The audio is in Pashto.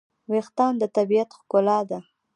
وېښتيان د طبیعت ښکلا ده.